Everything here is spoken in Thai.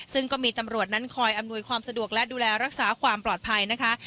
ซึ่งก็มีตำรวจนั้นคอยอำนวยความสะดวกและดูแลรักษาความปลอดภัยนะคะ